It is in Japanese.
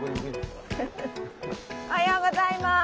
おはようございます！